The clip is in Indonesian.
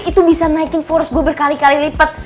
itu bisa niking force gue berkali kali lipet